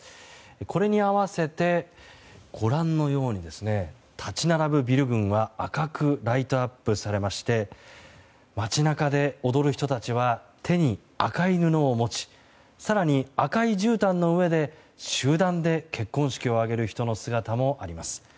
これに合わせてご覧のように立ち並ぶビル群は赤くライトアップされまして街中で踊る人たちは手に赤い布を持ち更に、赤いじゅうたんの上で集団で結婚式を挙げる人の姿もあります。